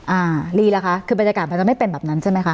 ลีล่ะคะคือบรรยากาศมันจะไม่เป็นแบบนั้นใช่ไหมคะ